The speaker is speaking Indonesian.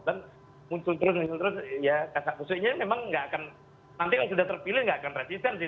dan muncul terus muncul terus ya kasakusunya memang gak akan nanti kan sudah terpilih gak akan resistan sih